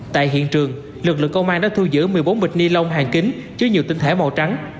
tại hiện trường lực lượng công an đã thu giữ một mươi bốn bịch ni lông hàng kính chứa nhiều tinh thể màu trắng